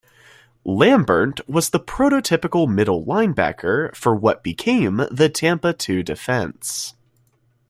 Lambert was the prototypical middle linebacker for what became the Tampa Two defense.